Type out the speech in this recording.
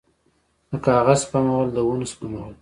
د کاغذ سپمول د ونو سپمول دي